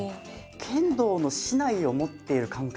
剣道の竹刀を持っている感覚。